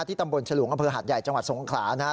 ที่ตำบลฉลูกอัมเภอหัสใหญ่จังหวัดสวงครานะครับ